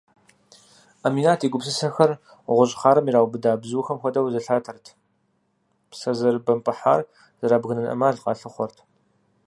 Ӏэминат и гупсысэхэр гъущӏ хъарым ираубыда бзухэм хуэдэу зелъатэрт, псэ зэрыбэмпӏыхьар зэрабгынэн ӏэмал къалъыхъуэрт.